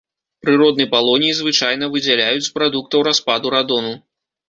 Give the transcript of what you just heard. Прыродны палоній звычайна выдзяляюць з прадуктаў распаду радону.